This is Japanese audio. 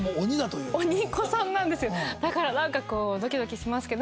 だからなんかこうドキドキしますけど。